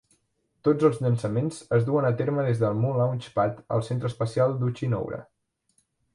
Tots els llançaments es duen a terme des del Mu Launch Pad al Centre Espacial d'Uchinoura.